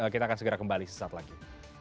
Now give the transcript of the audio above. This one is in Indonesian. kita akan segera kembali sesaat lagi